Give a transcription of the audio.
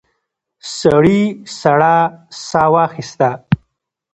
سړي سړه ساه واخیسته.